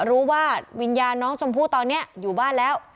รู้ว่าวิญญาณน้องชมพู่ตอนนี้อยู่บ้านแล้ว